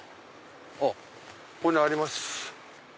あっここにあります。